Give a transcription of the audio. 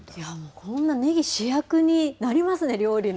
こんなねぎ、主役になりますね、料理の。